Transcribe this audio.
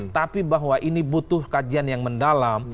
tapi bahwa ini butuh kajian yang mendalam